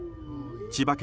千葉県